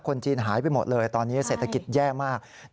คนจีนหายไปหมดเลยตอนนี้เศรษฐกิจแย่มาก